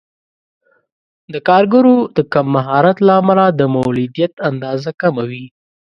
د کارګرو د کم مهارت له امله د مولدیت اندازه کمه وي.